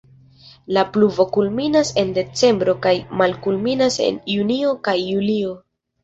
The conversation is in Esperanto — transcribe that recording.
La pluvo kulminas en decembro kaj malkulminas en junio kaj julio.